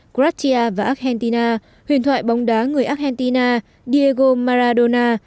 cratia và argentina huyền thoại bóng đá người argentina diego maradona